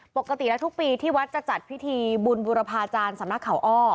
ปกติแล้วทุกปีที่วัดจะจัดพิธีบุญบุรพาจารย์สำนักเขาอ้อ